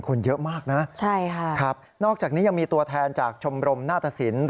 คนเยอะมากนะครับนอกจากนี้ยังมีตัวแทนจากชมรมนาฏศิลป์